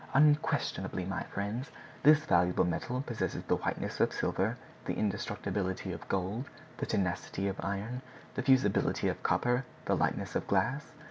"Unquestionably, my friends. This valuable metal possesses the whiteness of silver, the indestructibility of gold, the tenacity of iron, the fusibility of copper, the lightness of glass.